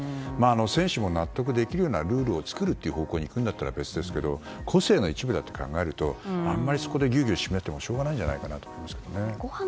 選手も納得できるようなルールを作る方向にいくなら別ですけど個性の一部だと考えるとあんまりそこでぎゅうぎゅう絞めてもしょうがないと思います。